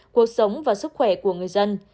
cuộc sống và sức khỏe của người dân